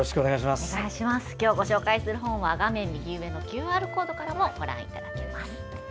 今日ご紹介する本は画面右上のＱＲコードからもご覧いただけます。